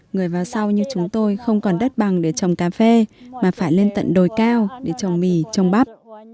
người và sau như chúng tôi không còn đất bằng để trồng cà phê mà phải lên tận đồi cao để trồng mì trồng bắp